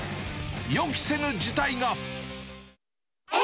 予期せぬ事態が。